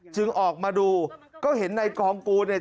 ออกมาดูก็เห็นในกองกูลเนี่ย